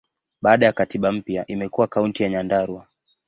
Baada ya katiba mpya, imekuwa Kaunti ya Nyandarua.